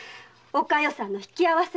お加代さんの引き合わせ？